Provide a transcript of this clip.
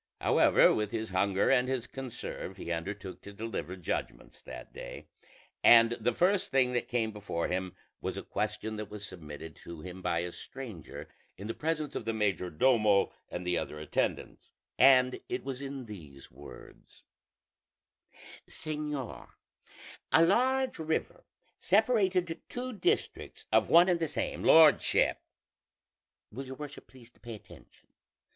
However, with his hunger and his conserve he undertook to deliver judgments that day; and the first thing that came before him was a question that was submitted to him by a stranger in the presence of the major domo and the other attendants, and it was in these words: "Señor, a large river separated two districts of one and the same lordship will your worship please to pay attention?